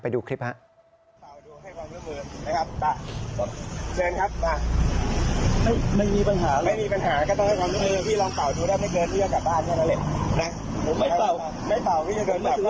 ไปดูคลิปครับ